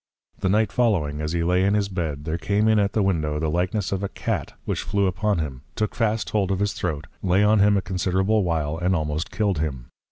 The Night following, as he lay in his Bed, there came in at the Window, the likeness of a Cat, which flew upon him, took fast hold of his Throat, lay on him a considerable while, and almost killed him.